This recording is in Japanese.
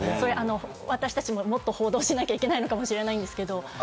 私たちも報道をもっとしなきゃいけないのかもしれないですけど。